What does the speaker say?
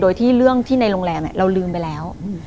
โดยที่เรื่องที่ในโรงแรมเราลืมไปแล้ว